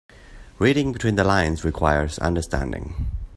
Reading between the lines requires understanding.